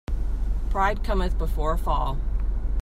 Pride cometh before a fall.